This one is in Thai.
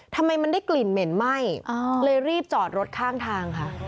ทำไมมันได้กลิ่นเหม็นไหม้เลยรีบจอดรถข้างทางค่ะ